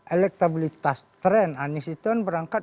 elektabilitas tren anies itu kan berangkat